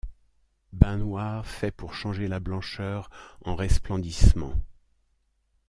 Bain noir fait pour changer la blancheur en resplendissement.